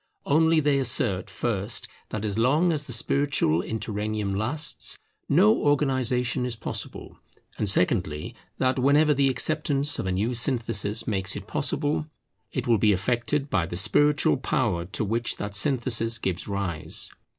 Only they assert, first, that as long as the spiritual interregnum lasts, no organization is possible; and secondly, that whenever the acceptance of a new synthesis makes it possible, it will be effected by the spiritual power to which that synthesis gives rise.